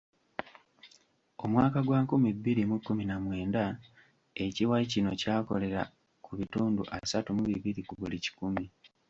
Omwaka gwa nkumi bbiri mu kkumi na mwenda ekiwayi kino kyakolera ku bitundu asatu mu bibiri ku buli kikumi.